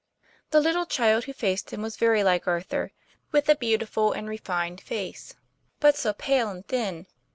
The little child who faced him was very like Arthur, with a beautiful and refined face, but so pale and 150 TOM PLA YFAIR. thin!